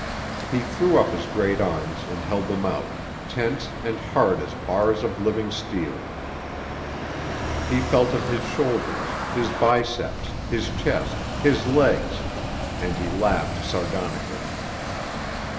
He threw up his great arms and held them out, tense and hard as bars of living steel. He felt of his shoulders, his biceps, his chest, his legs, and he laughed sardonically.